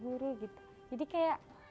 guru gitu jadi kayak